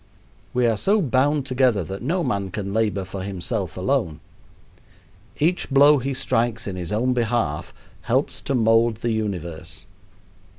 We are so bound together that no man can labor for himself alone. Each blow he strikes in his own behalf helps to mold the universe.